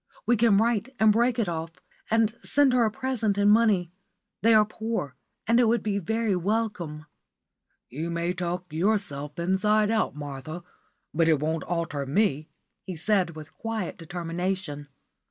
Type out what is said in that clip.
We can write and break it off, and send her a present in money. They are poor, and it would be very welcome." "You may talk yourself inside out, Martha, but it won't alter me," he said, with quiet determination.